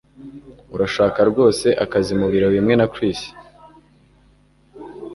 Urashaka rwose akazi mubiro bimwe na Chris